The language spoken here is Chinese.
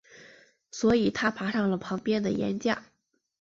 所以他爬上了旁边的岩架。